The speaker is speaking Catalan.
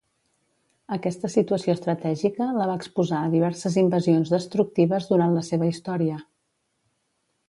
Aquesta situació estratègica la va exposar a diverses invasions destructives durant la seva història.